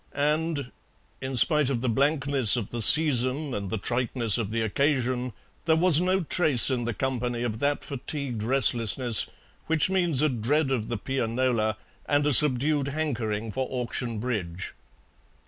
And, in spite of the blankness of the season and the triteness of the occasion, there was no trace in the company of that fatigued restlessness which means a dread of the pianola and a subdued hankering for auction bridge.